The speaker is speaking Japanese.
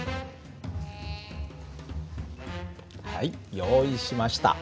はい用意しました。